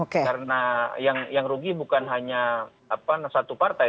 karena yang rugi bukan hanya satu partai